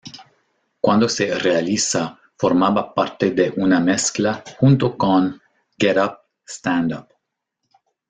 Cuando se realiza formaba parte de una mezcla junto con "Get Up, Stand Up".